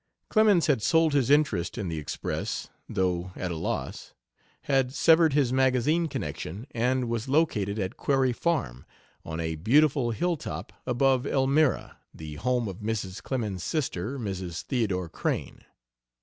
Clemens had sold his interest in the Express (though at a loss), had severed his magazine connection, and was located at Quarry Farm, on a beautiful hilltop above Elmira, the home of Mrs. Clemens's sister, Mrs. Theodore Crane.